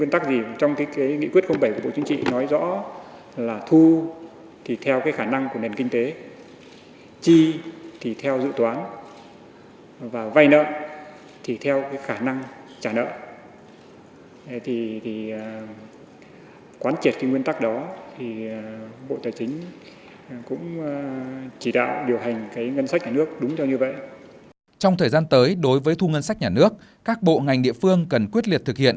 trong thời gian tới đối với thu ngân sách nhà nước các bộ ngành địa phương cần quyết liệt thực hiện